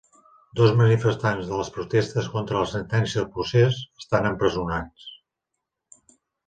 Dos manifestants de les protestes contra la sentència del procés estan empresonats